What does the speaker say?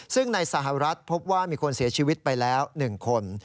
ซึ่งในสหรัฐพบว่ามีคนเสียชีวิตไปแล้ว๑คน